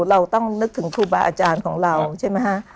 เราต้องนึกถึงครูบาอาจารย์ของเราใช่ไหมฮะ